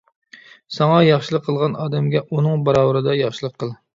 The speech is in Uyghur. ساڭا ياخشىلىق قىلغان ئادەمگە ئۇنىڭ باراۋىرىدە ياخشىلىق قىل.